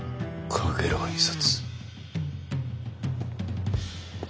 かげろう印刷